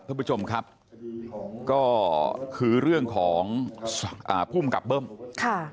ท่านผู้ชมครับก็คือเรื่องของอ่าภูมิกับเบิ้มค่ะ